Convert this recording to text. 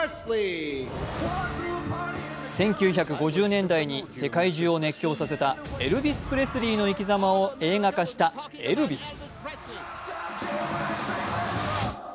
１９５０年代に世界中を熱狂させたエルヴィス・プレスリーの生きざまを映画化した「エルヴィス」。